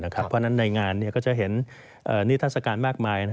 เพราะฉะนั้นในงานก็จะเห็นนิทัศกาลมากมาย